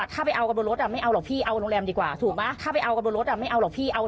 ตัวเองยังไม่ลองเลยถูกไหมพี่